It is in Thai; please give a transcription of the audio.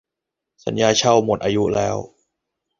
สัญญาเช่าหมดอายุแล้ว